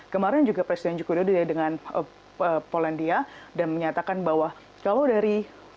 kemarin juga presiden joko widodo dengan polandia dan menyatakan bahwa kalau dari